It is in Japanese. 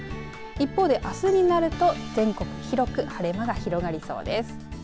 一方で、あすになると全国、広く晴れ間が広がりそうです。